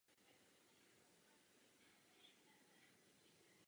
Datování přesného založení se však v jednotlivých pramenech liší.